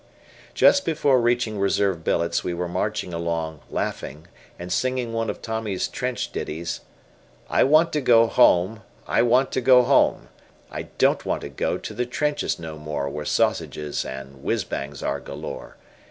Just before reaching reserve billets we were marching along, laughing, and singing one of Tommy's trench ditties "I want to go home, I want to go home, I don't want to go to the trenches no more Where sausages and whizz bangs are galore.